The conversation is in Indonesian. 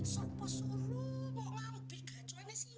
sumpah suruh mau ngambil kacauannya sini